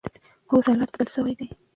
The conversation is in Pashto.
اوس حالات بدل شوي دي.